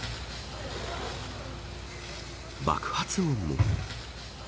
爆発音も。